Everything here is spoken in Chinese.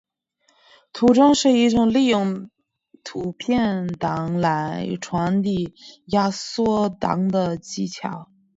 图种是一种利用图片档来传递压缩档的技巧。